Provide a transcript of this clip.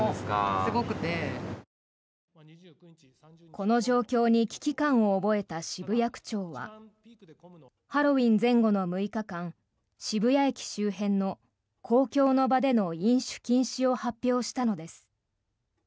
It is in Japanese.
この状況に危機感を覚えた渋谷区長はハロウィーン前後の６日間渋谷駅周辺の公共の場での飲酒禁止を発表したのです。